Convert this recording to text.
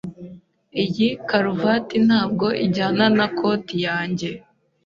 Iyi karuvati ntabwo ijyana na koti yanjye.